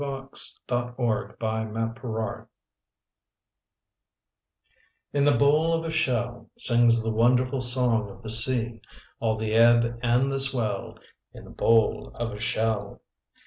SI PARVA LICET COMPONERE MAGNIS IN the bowl of a shell Sings the wonderful song of the sea, All the ebb and the swell, In the bowl of a shell.